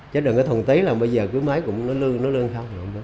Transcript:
chất lượng cái thuần tí là bây giờ cứ mấy cũng nó lương nó lương không